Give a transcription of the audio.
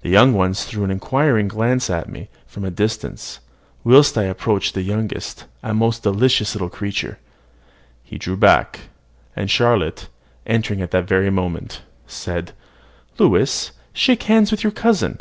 The young ones threw inquiring glances at me from a distance; whilst I approached the youngest, a most delicious little creature. He drew back; and Charlotte, entering at the very moment, said, "Louis, shake hands with your cousin."